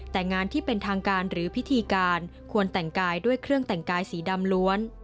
แต่งานที่เป็นทางการหรือพิธีการควรแต่งกายด้วยเครื่องแต่งกายสีดำล้วน